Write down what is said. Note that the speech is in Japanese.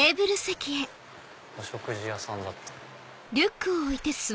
お食事屋さんだった。